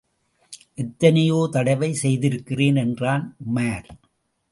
எத்தனையோ தடவை செய்திருக்கிறேன் என்றான் உமார்.